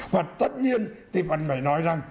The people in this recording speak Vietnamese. hoặc tất nhiên thì vẫn phải nói rằng